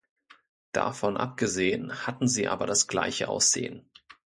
Davon abgesehen hatten sie aber das gleiche Aussehen.